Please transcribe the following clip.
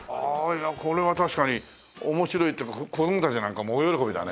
いやこれは確かに面白いっていうか子供たちなんかも大喜びだね。